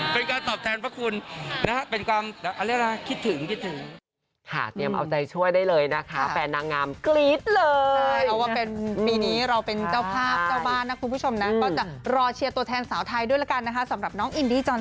เป็นการตอบแทนพระคุณเป็นการคิดถึง